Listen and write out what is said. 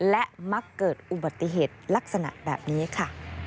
และมักเกิดอุบัติเหตุลักษณะแบบนี้ค่ะ